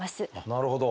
なるほど。